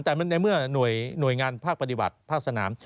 แต่ในเมื่อหน่วยงานภาคปฏิบัติภาคสนาม